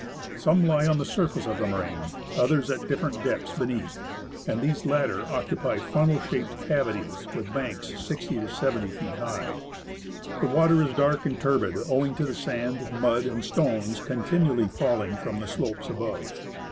Some lie on the surface of the moraine, others at different depths beneath, 75 THE ASCENT OF MOUNT ST. ELIAS and these latter occupy funnel shaped cavities with banks 60 to 70 feet high. The water is dark and turbid, owing to the sand, mud, and stones continually falling from the slopes above.